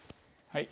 はい。